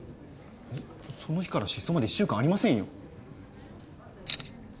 その日から失踪まで１週間ありませんよ。